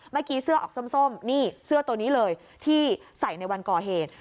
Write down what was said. เมื่อกี้เสื้อออกส้มนี่เสื้อตัวนี้เลยที่ใส่ในวันก่อเหตุ